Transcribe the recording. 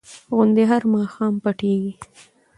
غوندې هر ماښام پټېږي.